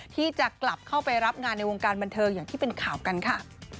ที่จะกลับเข้าไปรับงานในวงการบันเทิงอย่างที่เป็นข่าวกันค่ะ